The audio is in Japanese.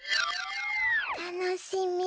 たのしみ。ね！